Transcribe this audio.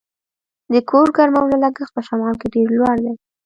د کور ګرمولو لګښت په شمال کې ډیر لوړ دی